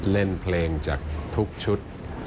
เล่นเพลงจากทุกชุด